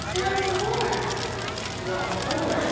'What for?' "'What for?